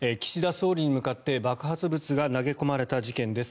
総理に向かって爆発物が投げ込まれた事件です。